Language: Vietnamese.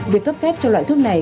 việc cấp phép cho loại thuốc này